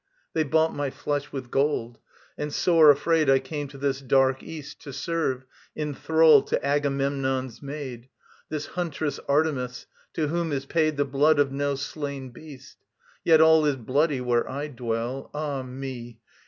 They bought my flesh with gold, and sore afraid I came to this dark East To serve, in thrall to Agamemnon's maid, This Huntress Artemis, to whom is paid The blood of no slain beast; Yet all is bloody where I dwell, Ah me!